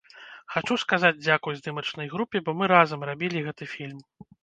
Хачу сказаць дзякуй здымачнай групе, бо мы разам рабілі гэты фільм.